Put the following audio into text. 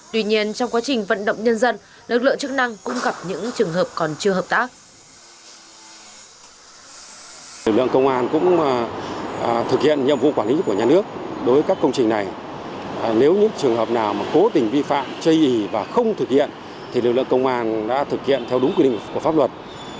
tuy nhiên trong quá trình vận động nhân dân lực lượng chức năng cũng gặp những trường hợp còn chưa hợp tác